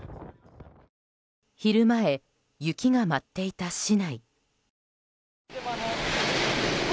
昼前、雪が舞っていた市内。